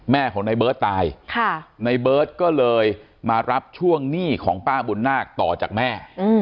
แม่ของในเบิร์ตตายในเบิร์ตก็เลยมารับช่วงหนี้ของป้าบุญนาคต่อจากแม่